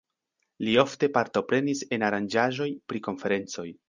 Li ofte partoprenis en aranĝaĵoj pri konferencoj.